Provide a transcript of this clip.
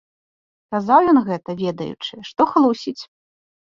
Казаў ён гэта, ведаючы, што хлусіць.